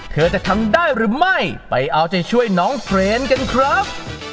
เธอจะทำได้หรือไม่ไปเอาใจช่วยน้องเทรนกันครับ